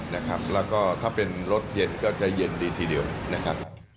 แล้วก็ถ้าเป็นรถเย็นก็จะเย็นดีทีเดียวนะครับ